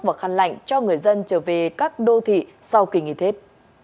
và khăn lạnh cho người dân trở về các đô thị sau kỳ nghỉ tết